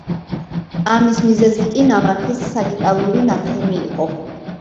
ამის მიზეზი კი ნამარხის საგიტალური ნათხემი იყო.